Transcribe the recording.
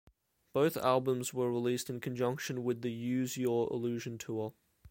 Both albums were released in conjunction with the Use Your Illusion Tour.